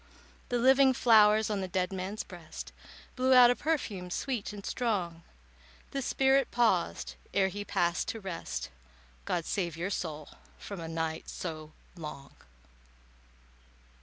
The living flowers on the dead man's breast Blew out a perfume sweet and strong. The spirit paused ere he passed to rest— "God save your soul from a night so long."